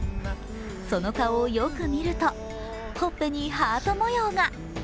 その顔をよく見ると、ほっぺにハート模様が。